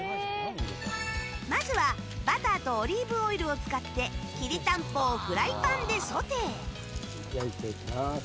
まずは、バターとオリーブオイルを使ってきりたんぽをフライパンでソテー。